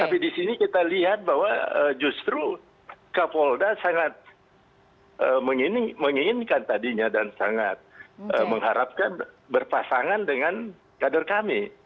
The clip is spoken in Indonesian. tapi di sini kita lihat bahwa justru kapolda sangat menginginkan tadinya dan sangat mengharapkan berpasangan dengan kader kami